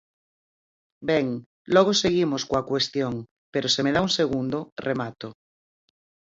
Ben, logo seguimos coa cuestión, pero se me dá un segundo, remato.